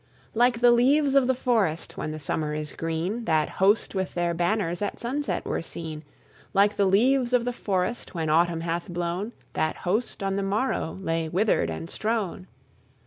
Like the leaves of the forest when the Summer is green, That host with their banners at sunset were seen: Like the leaves of the forest when Autumn hath blown, That host on the morrow lay withered and strown.